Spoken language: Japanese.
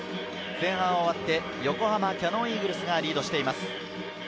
前半を終わって、横浜キヤノンイーグルスがリードしています。